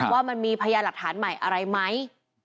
ว่ามันมีพยานหลักฐานใหม่อะไรไหม